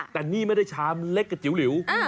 แต่นี่ไม่ได้ชามเล็กกับจิ๋วหลิว